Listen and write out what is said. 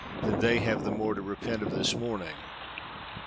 "Then they have the more to repent of this morning.